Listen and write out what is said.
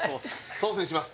ソースにします。